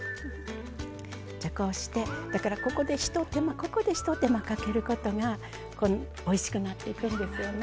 じゃあこうしてだからここでひと手間ここでひと手間かけることがおいしくなっていくんですよね。